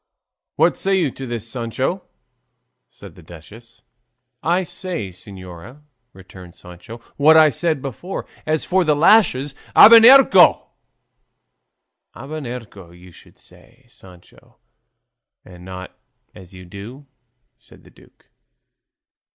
"What say you to this, Sancho?" said the duchess. "I say, señora," returned Sancho, "what I said before; as for the lashes, abernuncio!" "Abrenuncio, you should say, Sancho, and not as you do," said the duke.